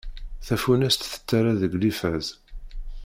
Tafunast tettarra deg liffeẓ.